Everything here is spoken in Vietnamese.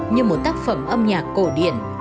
như một tác phẩm âm nhạc cổ điển